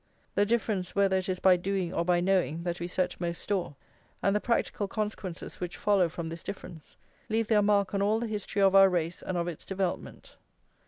"+ The difference whether it is by doing or by knowing that we set most store, and the practical consequences which follow from this difference, leave their mark on all the history of our race and of its development.